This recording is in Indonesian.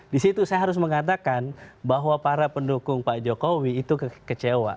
di situ saya harus mengatakan bahwa para pendukung pak jokowi itu kecewa